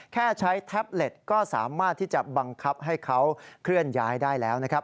แค่ใช้แท็บเล็ตก็สามารถที่จะบังคับให้เขาเคลื่อนย้ายได้แล้วนะครับ